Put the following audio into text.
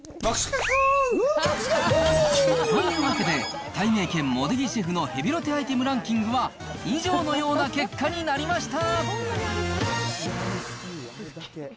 というわけで、たいめいけん、茂出木シェフのヘビロテアイテムランキングは、以上のような結果になりました。